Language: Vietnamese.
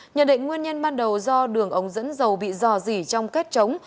nhận định nguyên nhân ban đầu do đường ống dẫn dầu bị dò dỉ trong kết trống